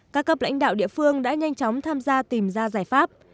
các cấp lãnh đạo địa phương đã nhanh chóng tham gia tìm ra giải pháp